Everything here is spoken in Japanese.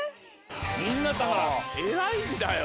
みんなだからえらいんだよ。